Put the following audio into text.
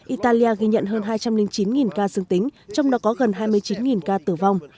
italia ghi nhận hơn hai trăm linh chín ca dương tính trong đó có gần hai mươi chín ca tử vong